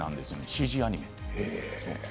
ＣＧアニメ。